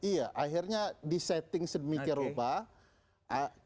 iya akhirnya di setting sedemikian obat